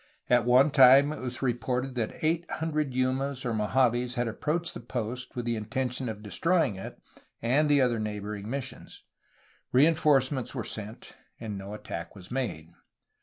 At one time it was reported that eight hundred Yumas or Mojaves had approached that post with the intention of destroying it and the other neighboring missions. Rein forcements were sent, and no attack was made.